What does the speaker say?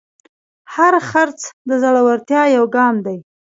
هر خرڅ د زړورتیا یو ګام دی.